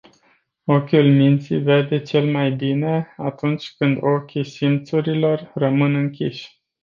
Ochiul minții vede cel mai bine atunci când ochii simțurilor rămân închiși.